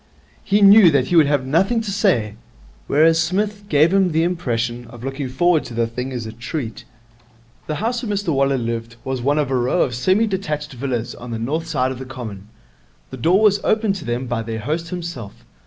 He knew that he would have nothing to say. Whereas Psmith gave him the impression of looking forward to the thing as a treat. The house where Mr Waller lived was one of a row of semi detached villas on the north side of the Common. The door was opened to them by their host himself.